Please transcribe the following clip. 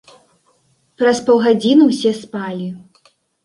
Праз паўгадзіны ўсе спалі.